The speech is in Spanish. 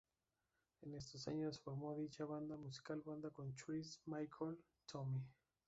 En estos años, formó dicha banda musical banda con Chris, Michael, 晓华, Tomi.